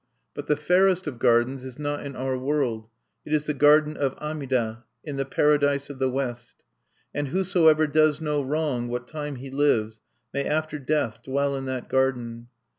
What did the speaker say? "But the fairest of gardens is not in our world. It is the Garden of Amida, in the Paradise of the West. "And whosoever does no wrong what time he lives may after death dwell in that Garden.